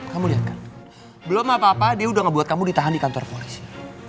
kamu lihatkan belum apa apa dia udah ngebuat kamu ditahan di kantor polisi